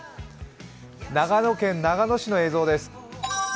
長野県長野市の映像です。